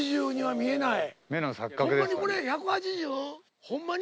ホンマにこれ１８０？ホンマに？